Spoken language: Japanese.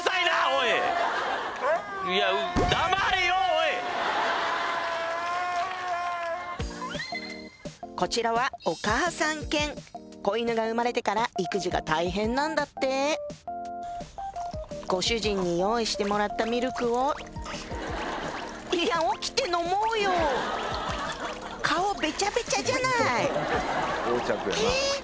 おいこちらはお母さん犬子犬が生まれてから育児が大変なんだってご主人に用意してもらったミルクをいや起きて飲もうよ顔ベチャベチャじゃないえ